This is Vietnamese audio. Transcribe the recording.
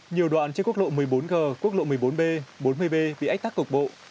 nhiều đoạn trên quốc lộ một mươi bốn g quốc lộ một mươi bốn b bốn mươi b bị ách tắc cục bộ